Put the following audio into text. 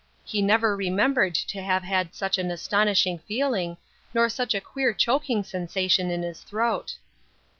He never remembered to have had such an astonishing feeling, nor such a queer choking sensation in his throat.